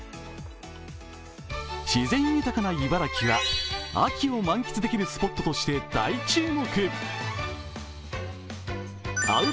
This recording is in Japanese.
自然豊かな茨城は秋を満喫できるスポットとして大注目。